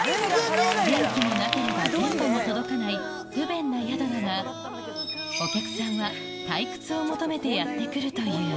電気もなければ電波も届かない不便な宿だが、お客さんは退屈を求めてやって来るという。